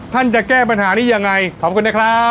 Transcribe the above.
จะแก้ปัญหานี้ยังไงขอบคุณนะครับ